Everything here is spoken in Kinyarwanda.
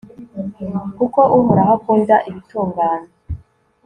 kuko uhoraho akunda ibitunganye